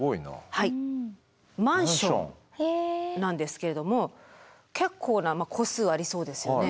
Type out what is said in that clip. はいマンションなんですけれども結構な戸数ありそうですよね。